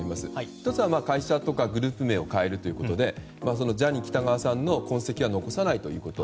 １つは会社やグループ名を変えるということでジャニー喜多川さんの痕跡は残さないということ。